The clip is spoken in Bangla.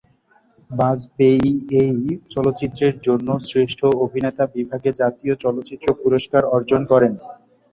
বাজপেয়ী এই চলচ্চিত্রের জন্য শ্রেষ্ঠ অভিনেতা বিভাগে জাতীয় চলচ্চিত্র পুরস্কার অর্জন করেন।